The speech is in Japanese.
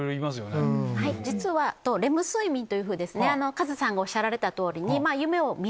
カズさんがおっしゃられた通りに。